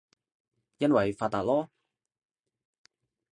因爲發達囉